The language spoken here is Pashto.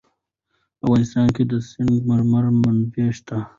په افغانستان کې د سنگ مرمر منابع شته.